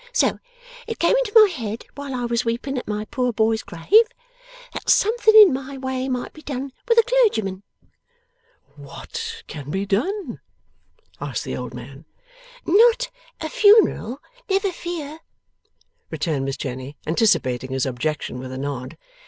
So, it came into my head while I was weeping at my poor boy's grave, that something in my way might be done with a clergyman.' 'What can be done?' asked the old man. 'Not a funeral, never fear!' returned Miss Jenny, anticipating his objection with a nod.